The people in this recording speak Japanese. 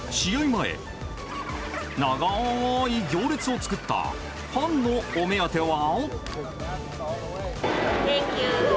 前、長い行列を作ったファンのお目当ては。